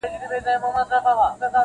د یاغي کوترو ښکار ته به یې وړلې -